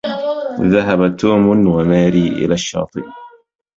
ذهب توم وماري إلى الشاطئ.